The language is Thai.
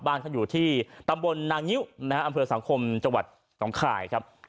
บ้านเขาอยู่ที่ตำบลนางงิ้วนะฮะอำเภอสังคมจังหวัดหนองข่ายครับ